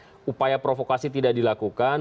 supaya provokasi tidak dilakukan